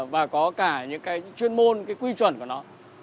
và có cả những cái chuyên môn cái quy chuẩn của nó